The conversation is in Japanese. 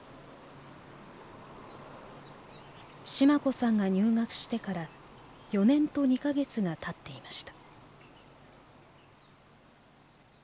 シマ子さんが入学してから４年と２か月がたっていました。